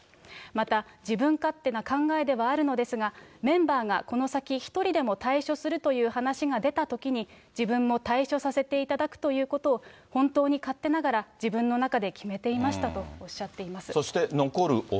また、自分勝手な考えではあるのですが、メンバーがこの先１人でも退所するという話が出たときに、自分も退所させていただくということを、本当に勝手ながら、自分の中で決めていましたとおっしゃっています。